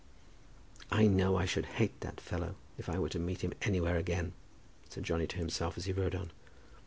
"I know I should hate that fellow if I were to meet him anywhere again," said Johnny to himself as he rode on.